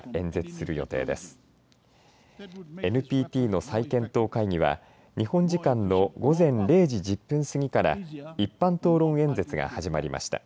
ＮＰＴの再検討会議は日本時間の午前０時１０分過ぎから一般討論演説が始まりました。